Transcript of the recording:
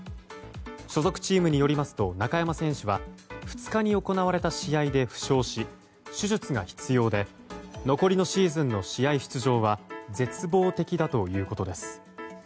所属チームによりますと中山選手は２日に行われた試合で負傷し手術が必要で残りのシーズンの試合出場は絶望的だということです。